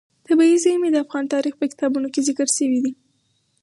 طبیعي زیرمې د افغان تاریخ په کتابونو کې ذکر شوی دي.